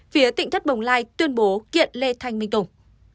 phía tỉnh thất bồng lai tuyên bố kiện lê thanh minh tùng